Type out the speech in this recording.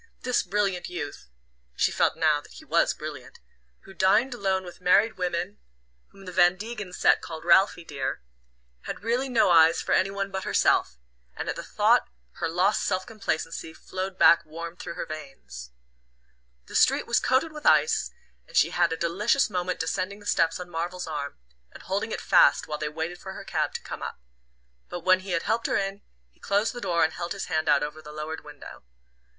This brilliant youth she felt now that he WAS brilliant who dined alone with married women, whom the "Van Degen set" called "Ralphie, dear," had really no eyes for any one but herself; and at the thought her lost self complacency flowed back warm through her veins. The street was coated with ice, and she had a delicious moment descending the steps on Marvell's arm, and holding it fast while they waited for her cab to come up; but when he had helped her in he closed the door and held his hand out over the lowered window.